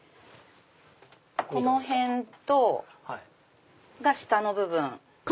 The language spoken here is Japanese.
この辺が下の部分。